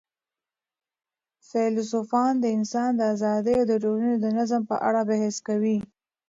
فیلسوفان د انسان د آزادۍ او د ټولني د نظم په اړه بحث کوي.